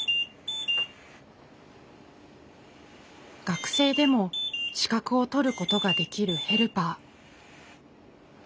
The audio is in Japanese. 学生でも資格を取ることができるヘルパー。